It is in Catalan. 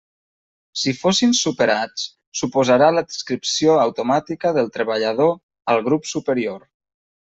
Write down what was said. Si fossin superats, suposarà l'adscripció automàtica del treballador al grup superior.